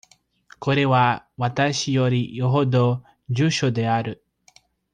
これは、私よりよほど重症である。